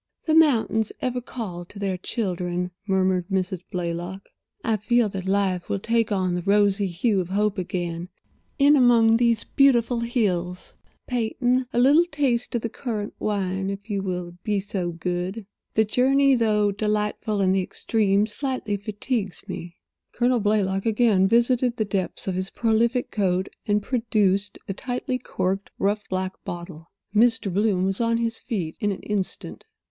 "The mountains ever call to their children," murmured Mrs. Blaylock. "I feel that life will take on the rosy hue of hope again in among these beautiful hills. Peyton—a little taste of the currant wine, if you will be so good. The journey, though delightful in the extreme, slightly fatigues me." Colonel Blaylock again visited the depths of his prolific coat, and produced a tightly corked, rough, black bottle. Mr. Bloom was on his feet in an instant.